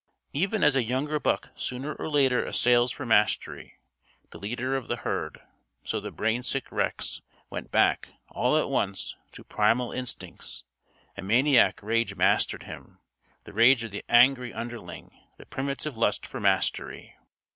Even as a younger buck sooner or later assails for mastery the leader of the herd, so the brain sick Rex went back, all at once, to primal instincts, a maniac rage mastered him the rage of the angry underling, the primitive lust for mastery.